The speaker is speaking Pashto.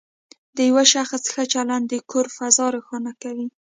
د یو شخص ښه چلند د کور فضا روښانه کوي.